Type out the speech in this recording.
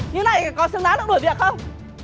như này còn xứng đáng được đổi việc không